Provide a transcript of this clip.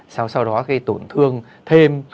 sau đó có cái tổn thương thêm